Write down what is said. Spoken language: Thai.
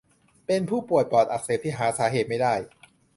เป็นผู้ป่วยปอดอักเสบที่หาสาเหตุไม่ได้